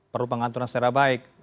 perlu pengaturan secara baik